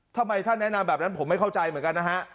ทำไมท่านแนะนำแบบนั้นผมไม่เข้าใจเหมือนกันนะฮะ